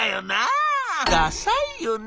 「ダサいよね」。